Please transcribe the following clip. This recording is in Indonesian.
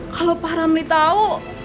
kalo pak ramli tau